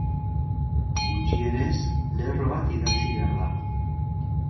Gutxienez lerro bat idatzi behar da.